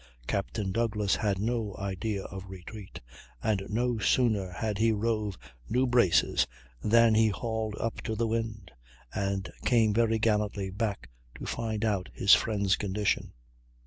Captain Douglass had no idea of retreat, and no sooner had he rove new braces than he hauled up to the wind, and came very gallantly back to find out his friend's condition.